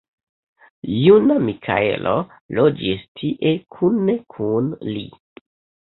Juna Mikaelo loĝis tie kune kun li.